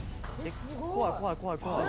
「怖い怖い怖い怖い。